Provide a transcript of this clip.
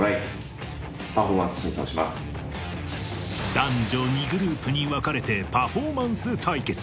男女２グループに分かれてパフォーマンス対決